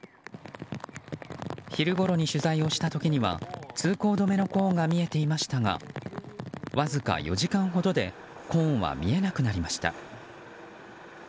昼頃に取材をした時には通行止めのコーンが見えていましたがわずか４時間ほどでコーンは見えなくなりました。